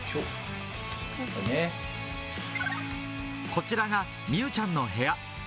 こちらが美羽ちゃんの部屋。